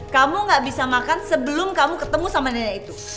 kamu gak bisa makan sebelum kamu ketemu sama nenek itu